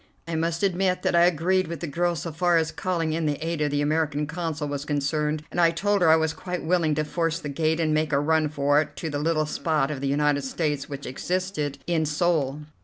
I must admit that I agreed with the girl so far as calling in the aid of the American Consul was concerned, and I told her I was quite willing to force the gate and make a run for it to the little spot of the United States which existed in Seoul.